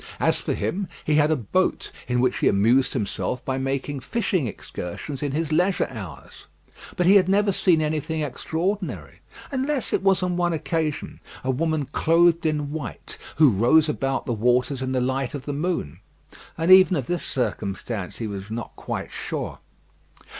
As for him, he had a boat in which he amused himself by making fishing excursions in his leisure hours; but he had never seen anything extraordinary, unless it was on one occasion a woman clothed in white, who rose about the waters in the light of the moon and even of this circumstance he was not quite sure.